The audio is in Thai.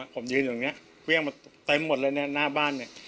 ผมยืนอยู่ตรงนี้เครื่องมาเต็มหมดเลยเนี่ยหน้าบ้านเนี่ย